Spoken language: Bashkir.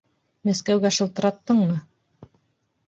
Мәскәүгә шылтыраттыңмы?